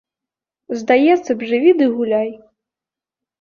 Здаецца б, жыві ды гуляй.